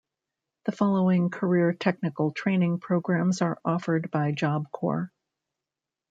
The following Career Technical Training programs are offered by Job Corps.